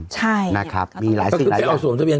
ใช่นะครับมีหลายสิบไปเอาร่วมส่วมทะเบียน